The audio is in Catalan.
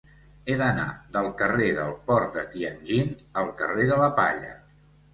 He d'anar del carrer del Port de Tianjin al carrer de la Palla.